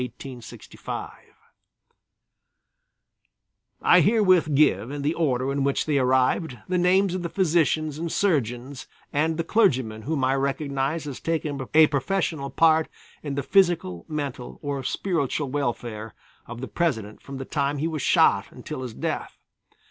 _ I herewith give in the order in which they arrived, the names of the physicians and surgeons, and the clergyman whom I recognized as taking a professional part in the physical, mental or spiritual welfare of the President from the time he was shot until his death.